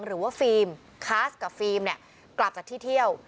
ฟิล์มคัสกับฟิล์มเนี่ยกลับจากที่เที่ยว